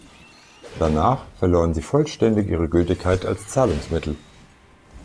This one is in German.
Danach verloren sie vollständig ihre Gültigkeit als Zahlungsmittel.